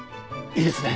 いいですね！